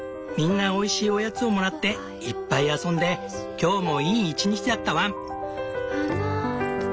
みんなおいしいおやつをもらっていっぱい遊んで今日もいい一日だったワン！